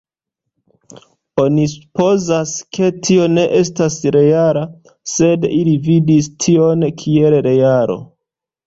Oni supozas, ke tio ne estas reala, sed li vidis tion kiel realo.